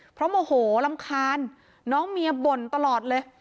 เพราะโมโหรำคาญน้องเมียบ่นตลอดเลย